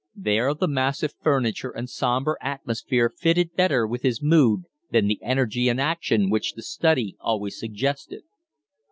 There the massive furniture and sombre atmosphere fitted better with his mood than the energy and action which the study always suggested.